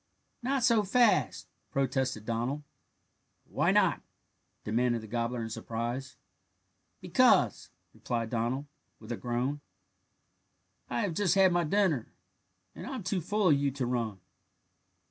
"Not so fast," protested Donald. "Why not?" demanded the gobbler in surprise. "Because," replied Donald, with a groan, "I have just had my dinner, and I'm too full of you to run."